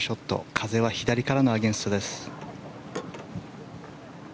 風は左からのアゲンストです。